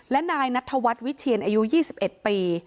และนายนัทธวัฒน์วิเชียนอายุ๒๑ปี